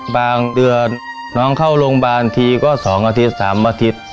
บางเดือนน้องเข้าโรงพยาบาลทีก็๒อาทิตย์๓อาทิตย์